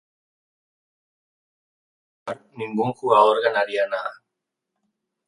En caso de no aceptar, ningún jugador ganaría nada.